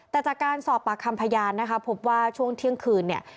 แต่จากการสอบปากคำพยานนะคะพบว่าช่วงเที่ยงคืนเนี่ย